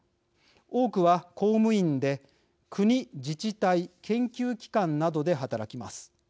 多くは公務員で国、自治体、研究機関などで働きます。